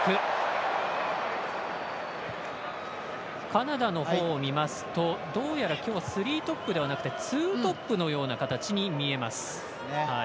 カナダのほうを見ますとどうやら、スリートップではなくツートップのような形に見えます。